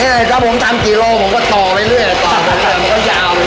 นี่แหละถ้าผมทำกิโลผมก็ต่อไปเรื่อยต่อไปเรื่อยผมก็จะเอา